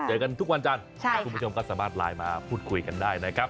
เจอกันทุกวันจันทร์คุณผู้ชมก็สามารถไลน์มาพูดคุยกันได้นะครับ